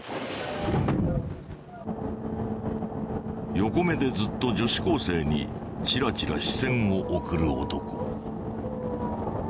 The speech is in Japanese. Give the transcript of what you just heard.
横目でずっと女子高生にチラチラ視線を送る男。